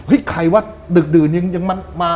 ใครว่าดึกดื่นยังมา